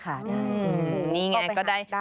เข้าไปฝากได้นะ